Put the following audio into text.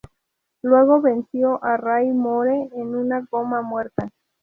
Luego venció a Ray Moore en una goma muerta.